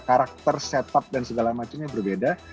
karakter setup dan segala macamnya berbeda